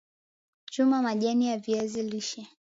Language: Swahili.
chuma majani ya viazi lishe